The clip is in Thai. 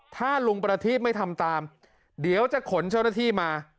ถ้าลุงประทีบไม่ทำตามเดี๋ยวจะขนเจ้าหน้าที่มา